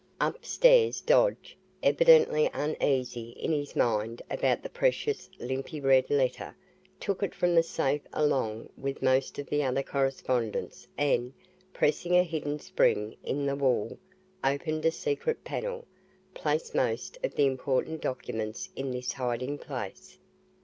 Upstairs, Dodge, evidently uneasy in his mind about the precious "Limpy Red" letter, took it from the safe along with most of the other correspondence and, pressing a hidden spring in the wall, opened a secret panel, placed most of the important documents in this hiding place.